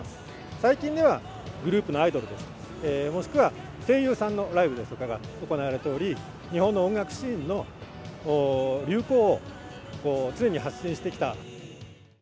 最近では、グループのアイドルですとか、もしくは声優さんのライブですとかが行われており、日本の音楽シーンの流行を、常に発信してきた。